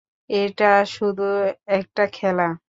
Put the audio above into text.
এটা শুধু একটা খেলা।